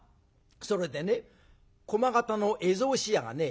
「それでね駒形の絵草紙屋がね